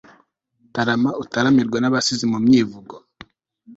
tarama utaramirwe nabasizi mu myivugo